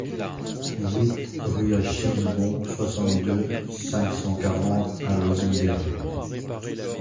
huit rue Achille Hibon, soixante-deux, cinq cent quarante à Lozinghem